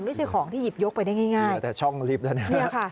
ไม่ใช่ของที่หยิบยกไปได้ง่ายแต่ช่องลิฟต์แล้วเนี่ย